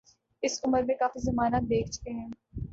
اس عمر میں کافی زمانہ دیکھ چکے ہیں۔